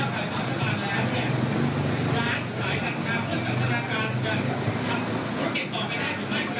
ครับพี่ประวิทย์